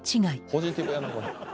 ポジティブやな。